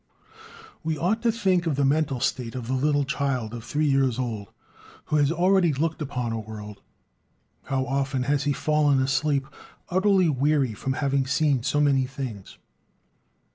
We ought to think of the mental state of the little child of three years old, who has already looked upon a world. How often he has fallen asleep utterly weary from having seen so many things.